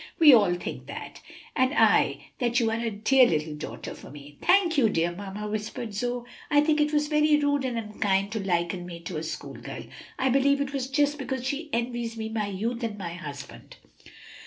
We all think that, and I that you are a dear little daughter for me." "Thank you, dear mamma," whispered Zoe. "I think it was very rude and unkind to liken me to a school girl. I believe it was just because she envies me my youth and my husband."